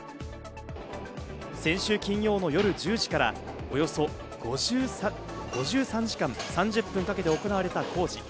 先週金曜の夜１０時からおよそ５３時間３０分かけて行われた工事。